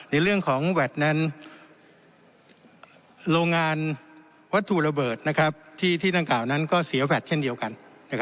ในเรื่องของแวดนั้นโรงงานวัตถุระเบิดที่ดังกล่าวนั้นก็เสียแวดเช่นเดียวกัน